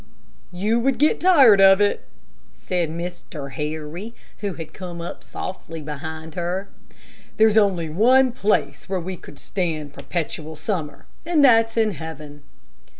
"You would get tired of it," said Mr. Harry, who had come up softly behind her. "There's only one place where we could stand perpetual summer, and that's in heaven."